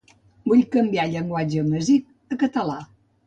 Vull canviar llenguatge amazic a català.